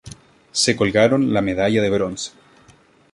Se colgaron la medalla de bronce.